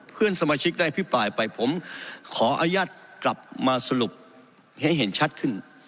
เพื่อนสมาชิกได้อภิปรายไปผมขออนุญาตกลับมาสรุปให้เห็นชัดขึ้น